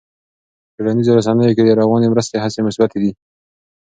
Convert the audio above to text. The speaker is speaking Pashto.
په ټولنیزو رسنیو کې د رواني مرستې هڅې مثبتې دي.